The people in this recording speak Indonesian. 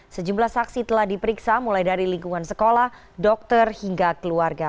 sejumlah saksi telah diperiksa mulai dari lingkungan sekolah dokter hingga keluarga